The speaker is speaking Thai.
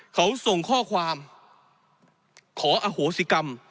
เขาส่งข้อความขออโหสิกรรม